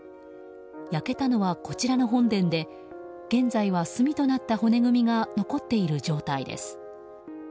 焼けたのは、こちらの本殿で現在は炭となった骨組みが残っている状態です。